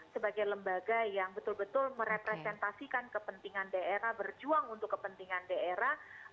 sebagai lembaga yang betul betul merepresentasikan kepentingan daerah berjuang untuk kepentingan daerah